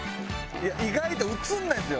意外と映らないですよ。